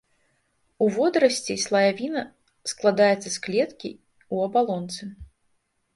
У водарасцей слаявіна складаецца з клеткі ў абалонцы.